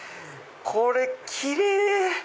これキレイ！